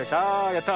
やった。